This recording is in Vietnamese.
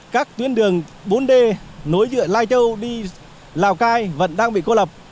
các tuyến đường bốn d nối giữa lai châu đi lào cai vẫn đang bị cô lập